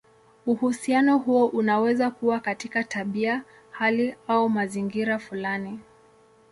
Uhusiano huo unaweza kuwa katika tabia, hali, au mazingira fulani.